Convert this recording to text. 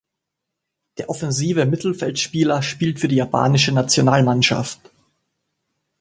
Der offensive Mittelfeldspieler spielt für die japanische Nationalmannschaft.